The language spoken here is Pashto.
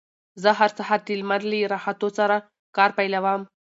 زه هر سهار د لمر له راختو سره کار پيلوم.